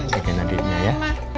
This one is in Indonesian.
jagain adiknya ya